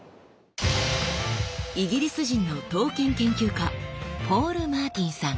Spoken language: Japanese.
イギリス人の刀剣研究家ポール・マーティンさん。